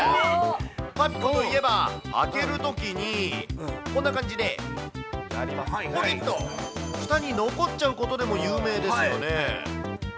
パピコといえば、開けるときに、こんな感じで、ちょびっとふたに残っちゃうことでも有名ですよね。